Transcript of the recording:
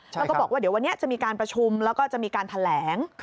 แล้วก็บอกว่าเดี๋ยววันนี้จะมีการประชุมแล้วก็จะมีการแถลง